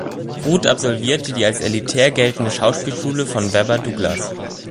Root absolvierte die als elitär geltende Schauspielschule von Webber Douglas.